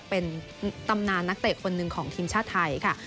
เป็นตำนานนักเตะคนหนึ่งของทีมชาติไทยค่ะ